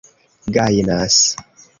gajnas